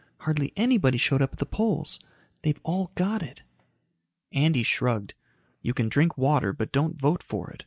Hardly anybody showed up at the polls. They've all got it." Andy shrugged. "You can drink water, but don't vote for it.